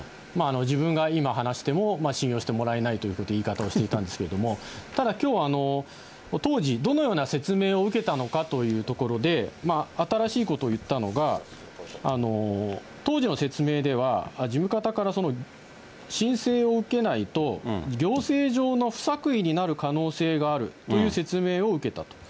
自分が今話しても信用してもらえないという言い方をしていたんですけれども、ただきょう、当時、どのような説明を受けたのかというところで、新しいことを言ったのが、当時の説明では、事務方から、申請を受けないと行政上の不作為になる可能性があるという説明を受けたと。